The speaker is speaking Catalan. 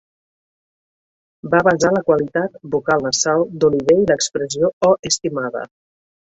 Va basar la qualitat vocal nasal d'Olive i l'expressió "Oh, estimada!"